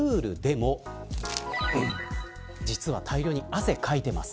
あとはプールでも実は大量に汗をかいています。